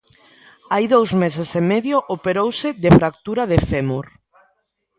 Hai dous meses e medio operouse de fractura de fémur.